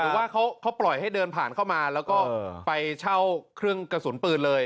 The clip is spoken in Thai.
ว่าเขาปล่อยให้เดินผ่านเข้ามาแล้วก็ไปเช่าเครื่องกระสุนปืนเลย